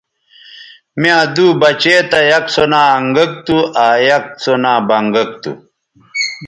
می یاں دُو بچے تھا یک سو نا انگک تھو آ یک سو نا بنگک تھو